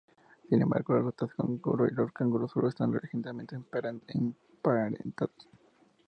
Sin embargo, las ratas canguro y los canguros solo están lejanamente emparentados.